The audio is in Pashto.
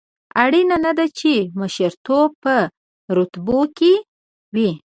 اړینه نه ده چې مشرتوب په رتبو کې وي.